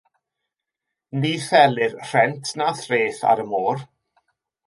Ni thelir rhent na threth ar y môr.